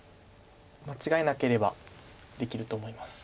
間違えなければできると思います。